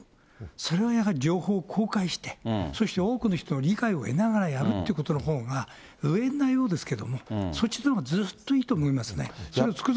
それはやはり情報公開して、そして多くの人の理解を得ながらやるってことのほうが、なようですけれども、そっちのほうがずっといいと思いますね。